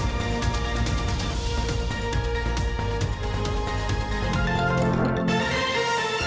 โปรดติดตามตอนต่อไป